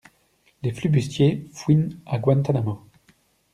Les flibustiers fouinent à Guantanamo!